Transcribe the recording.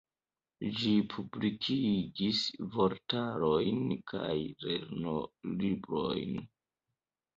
Ĝi publikigis vortarojn kaj lernolibrojn.